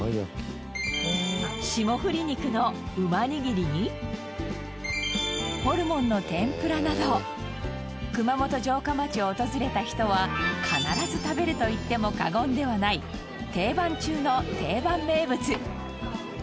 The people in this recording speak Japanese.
霜降り肉の馬にぎりにホルモンの天ぷらなど熊本城下町を訪れた人は必ず食べると言っても過言ではない定番中の定番名物。